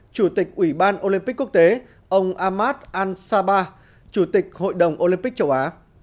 chủ tịch ủy ban olympic quốc tế ông ahmad ansaba chủ tịch hội đồng olympic châu á